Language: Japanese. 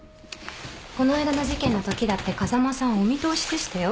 この間の事件のときだって風間さんはお見通しでしたよ。